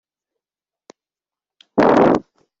Ndamyabera Andre